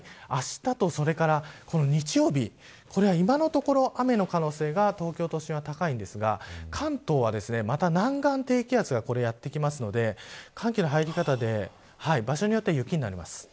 あしたと日曜日これは今のところ雨の可能性が東京都心、高いんですが関東はまた南岸低気圧がやってくるので寒気の入り方で場所によっては雪になります。